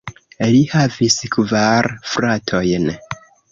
Li havis kvar fratojn.